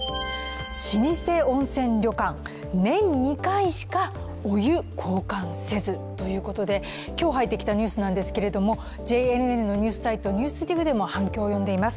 老舗温泉旅館、年２回しかお湯交換せずということで今日入ってきたニュースなんですけれどもＪＮＮのニュースサイトＮＥＷＳＤＩＧでも反響を呼んでいます。